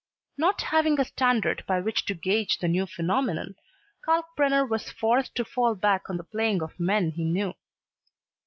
Not having a standard by which to gauge the new phenomenon, Kalkbrenner was forced to fall back on the playing of men he knew.